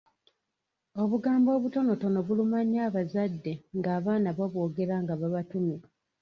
Obugambo obutonotono buluma nnyo abazadde ng’abaana babwogera nga babatumye.